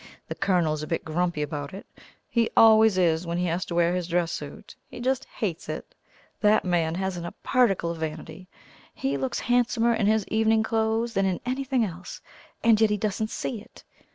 The Colonel's a bit grumpy about it, he always is when he has to wear his dress suit. He just hates it. That man hasn't a particle of vanity. He looks handsomer in his evening clothes than in anything else, and yet he doesn't see it.